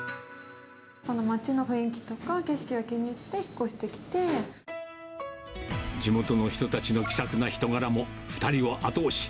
この町の雰囲気とか、景色が地元の人たちの気さくな人柄も２人を後押し。